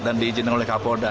dan diizinkan oleh kapolda